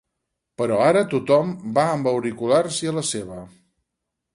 Però ara tothom va amb auriculars i a la seva